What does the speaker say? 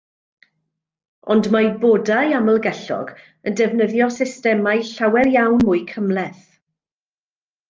Ond mae bodau amlgellog yn defnyddio systemau llawer iawn mwy cymhleth.